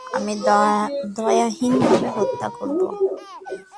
আমি দয়াহীনভাবে হত্যা করব!